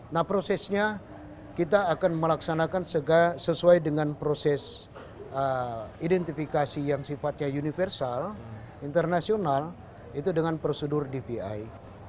nah prosesnya kita akan melaksanakan sesuai dengan proses identifikasi yang sifatnya universal internasional itu dengan prosedur dvi